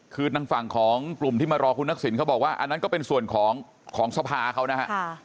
คือทางฝั่งของกลุ่มที่มารอคุณทักษิณเขาบอกว่าอันนั้นก็เป็นส่วนของสภาเขานะฮะ